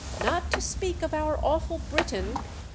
"Not to speak of our awful Briton!"